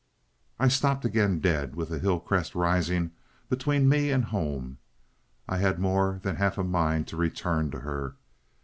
I stopped again dead, with the hill crest rising between me and home. I had more than half a mind to return to her.